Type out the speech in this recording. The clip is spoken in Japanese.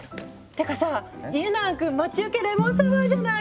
てかさ家長くん待ち受けレモンサワーじゃない！